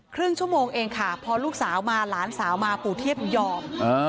ครึ่งชั่วโมงเองค่ะพอลูกสาวมาหลานสาวมาปู่เทียบยอม